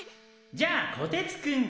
じゃあこてつくん。